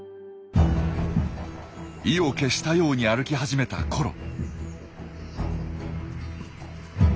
意を決したように歩き始めたコロ。